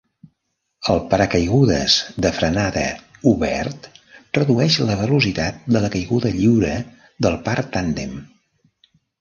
El paracaigudes de frenada obert redueix la velocitat de la caiguda lliure del par tàndem.